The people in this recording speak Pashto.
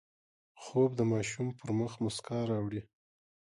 خوب د ماشوم پر مخ مسکا راوړي